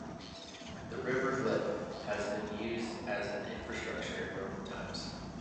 The river Lippe has been used as an infrastructure in Roman times.